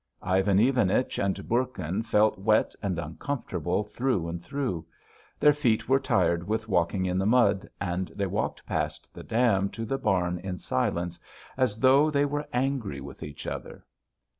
Ivan Ivanich and Bourkin felt wet and uncomfortable through and through; their feet were tired with walking in the mud, and they walked past the dam to the barn in silence as though they were angry with each other.